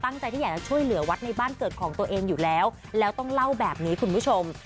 ตั้งใจที่อยากจะช่วยเหลือวัดในบ้านเกิดของตัวเองอยู่แล้วแล้วต้องเล่าแบบนี้คุณผู้ชม